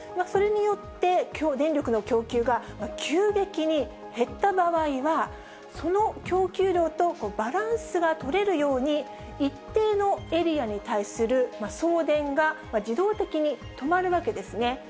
それによって、電力の供給が急激に減った場合は、その供給量とバランスが取れるように、一定のエリアに対する送電が自動的に止まるわけですね。